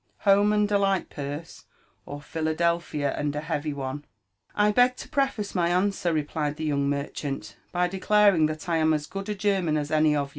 — Home and a light purseT —or Philadelphia and a heavy one?" " I beg to preface my answer," replied the young merchant, " by declaring that I am as good a German as any of ye.